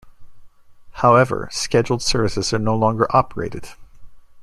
However, scheduled services are no longer operated.